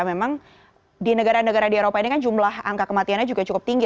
memang di negara negara di eropa ini kan jumlah angka kematiannya juga cukup tinggi